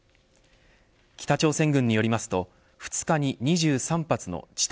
北朝鮮軍によりますと２日に２３発の地